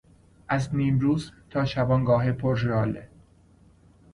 از نیمروز تا شبانگاه پر ژاله